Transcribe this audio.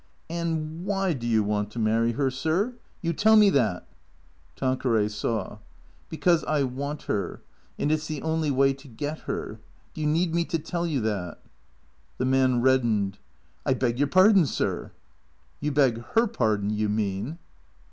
" And why do you want to marry her, sir ? You tell me that." Tanqueray saw. " Because I want her. And it 's the only way to get her. Do you need me to tell you that ?" The man reddened. " I beg your pardon, sir." " You beg her pardon, you mean."